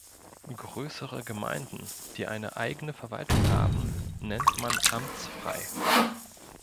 Größere Gemeinden, die eine eigene Verwaltung haben, nennt man amtsfrei.